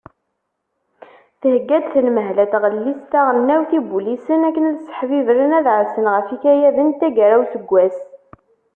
Thegga-d tenmehla n tɣellist taɣelnawt ibulisen akken ad sseḥbibren, ad ɛassen ɣef yikayaden n taggara n useggas.